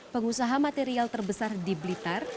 pengusaha material terbesar di blitar